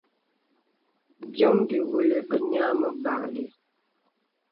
Byɔm bîvolī benəŋ a məkàməlì.